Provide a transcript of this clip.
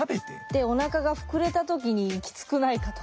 でおなかが膨れた時にきつくないかとか。